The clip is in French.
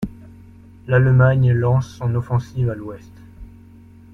L'Allemagne lance son offensive à l'Ouest.